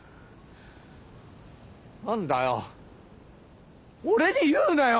何だよ俺に言うなよ。